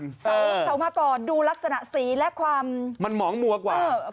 เสามาก่อนดูลักษณะสีและความมันหมองมัวกว่า